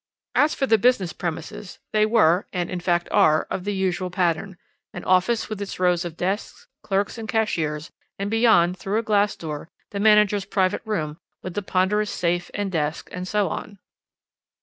"As for the business premises, they were, and, in fact, are, of the usual pattern; an office with its rows of desks, clerks, and cashiers, and beyond, through a glass door, the manager's private room, with the ponderous safe, and desk, and so on.